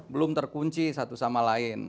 belum terkunci satu sama lain